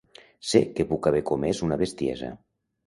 Sé que puc haver comés una bestiesa.